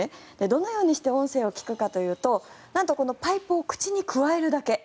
どのようにして音声を聞くかというとなんとこのパイプを口にくわえるだけ。